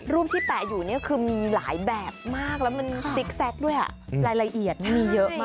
รูปที่แปะอยู่เนี่ยคือมีหลายแบบมากแล้วมันติ๊กแซ็กด้วยรายละเอียดมีเยอะมาก